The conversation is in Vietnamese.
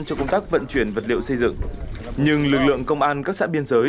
cho công tác vận chuyển vật liệu xây dựng nhưng lực lượng công an các xã biên giới